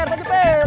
per pergi per